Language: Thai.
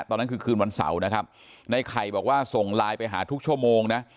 ตอนนั้นคือคืนวันเสาร์นะครับในไข่บอกว่าส่งไลน์ไปหาทุกชั่วโมงนะ